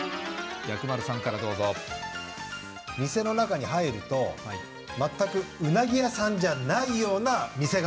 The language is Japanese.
薬丸さんからどうぞ店の中に入ると全くうなぎ屋さんじゃないような店構えだった違います